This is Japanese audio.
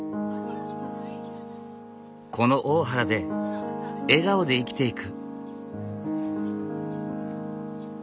この大原で笑顔で生きていく。